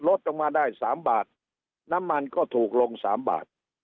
ลดลงมาได้๓บาทน้ำมันก็ถูกลง๓บาท